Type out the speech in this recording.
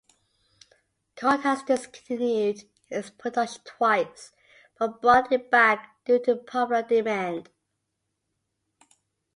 Colt has discontinued its production twice, but brought it back due to popular demand.